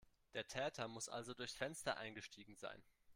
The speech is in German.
Der Täter muss also durchs Fenster eingestiegen sein.